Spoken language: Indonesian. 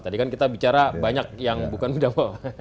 tadi kan kita bicara banyak yang bukan bidang bapak